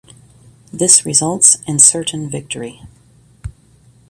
This results in certain victory.